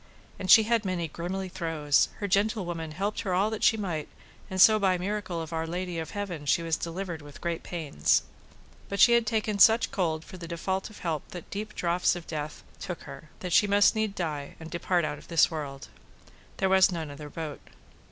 And she had many grimly throes; her gentlewoman helped her all that she might, and so by miracle of Our Lady of Heaven she was delivered with great pains. But she had taken such cold for the default of help that deep draughts of death took her, that needs she must die and depart out of this world; there was none other bote.